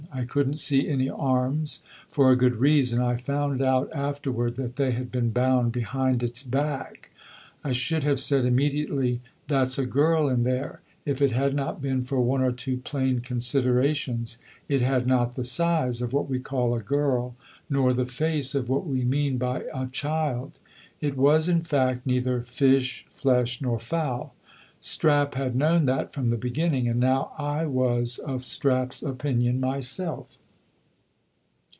I couldn't see any arms, for a good reason. I found out afterward that they had been bound behind its back. I should have said immediately, 'That's a girl in there,' if it had not been for one or two plain considerations. It had not the size of what we call a girl, nor the face of what we mean by a child. It was, in fact, neither fish, flesh, nor fowl. Strap had known that from the beginning, and now I was of Strap's opinion myself."